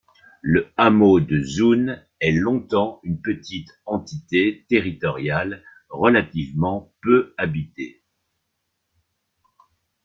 Le hameau de Zuun est longtemps une petite entité territoiriale relativement peu habitée.